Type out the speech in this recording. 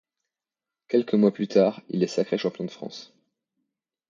Quelques mois plus tard, il est sacré champion de France.